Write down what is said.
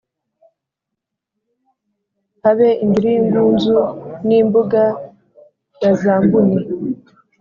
habe indiri y’ingunzu, n’imbuga ya za mbuni.